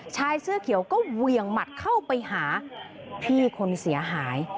ชายเสื้อเขียวก็เวียงหมัดเข้าไปหาพี่คนเสียหาย